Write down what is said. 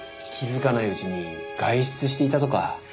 気づかないうちに外出していたとか。